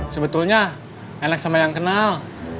sebetulnya enak sama yang kenal